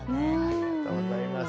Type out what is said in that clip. ありがとうございます。